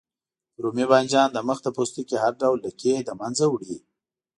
رومي بانجان د مخ د پوستکي هر ډول لکې له منځه وړي.